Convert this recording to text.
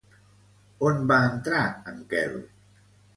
On va entrar en Quel?